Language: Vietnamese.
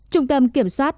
trung tâm kiểm soát